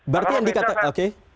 berarti yang dikatakan